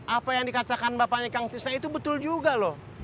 apa yang dikatakan bapaknya kang tista itu betul juga loh